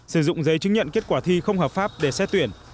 sử dụng giấy chứng nhận kết quả thi không hợp pháp để xét tuyển